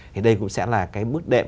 thì đây cũng sẽ là cái mức đệm